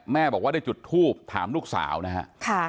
บอกว่าได้จุดทูบถามลูกสาวนะฮะ